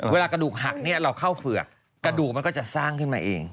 เวลากระดูกหักเราเข้าเฝือกกระดูกมันก็จะสร้างขึ้นมาเอง